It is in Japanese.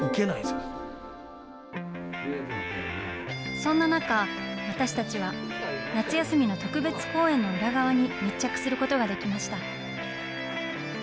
そんな中、私たちは、夏休みの特別公演の裏側に密着することができました。